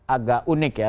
agak unik ya